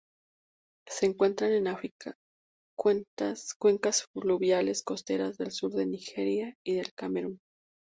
Se encuentran en África: cuencas fluviales costeras del sur de Nigeria y del Camerún.